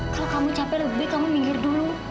kalau kamu capek lebih kamu minggir dulu